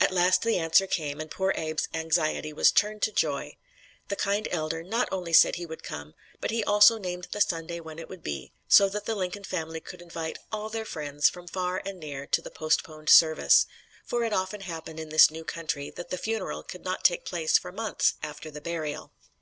At last the answer came and poor Abe's anxiety was turned to joy. The kind elder not only said he would come, but he also named the Sunday when it would be, so that the Lincoln family could invite all their friends from far and near to the postponed service for it often happened in this new country that the funeral could not take place for months after the burial.